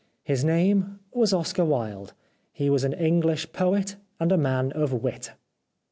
His name was Oscar Wilde. He was an English poet and a man of wit."